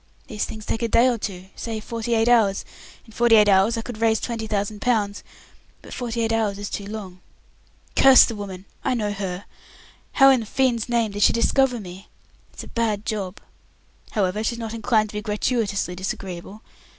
These things take a day or two, say forty eight hours. In forty eight hours I could raise twenty thousand pounds, but forty eight hours is too long. Curse the woman! I know her! How in the fiend's name did she discover me? It's a bad job. However, she's not inclined to be gratuitiously disagreeable.